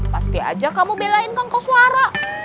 pasti aja kamu belain kang koswara